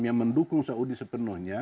yang mendukung saudi sepenuhnya